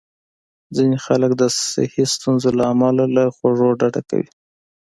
ځینې خلک د صحي ستونزو له امله له خوږو ډډه کوي.